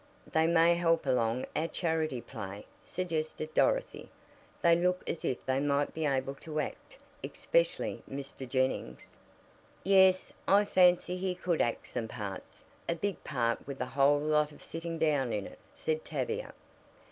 "They may help along our charity play," suggested Dorothy. "They look as if they might be able to act, especially Mr. Jennings." "Yes, I fancy he could act some parts a big part with a whole lot of sitting down in it," said Tavia.